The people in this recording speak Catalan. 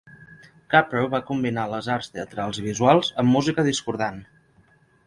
Kaprow va combinar les arts teatrals i visuals amb música discordant.